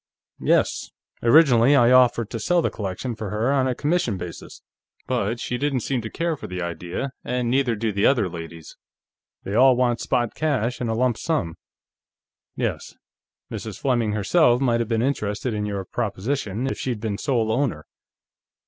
"Yes. Originally, I offered to sell the collection for her on a commission basis, but she didn't seem to care for the idea, and neither do the other ladies. They all want spot cash, in a lump sum." "Yes. Mrs. Fleming herself might have been interested in your proposition, if she'd been sole owner.